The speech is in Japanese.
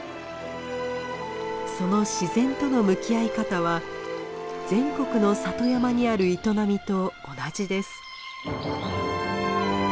その自然との向き合い方は全国の里山にある営みと同じです。